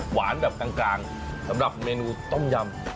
แบบกลางสำหรับเมนูต้มยำ